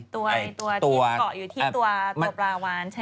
ตัวอะไรตัวที่เกาะอยู่ที่ตัวปลาวานใช่มั้ย